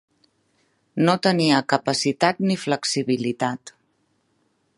No tenia capacitat ni flexibilitat.